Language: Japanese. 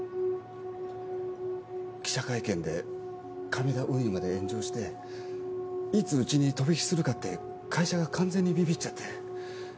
記者会見で亀田運輸まで炎上していつうちに飛び火するかって会社が完全にビビっちゃって。